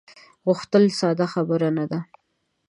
غوښتل ساده خبره نه ده.